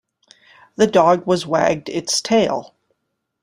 The dog was wagged its tail.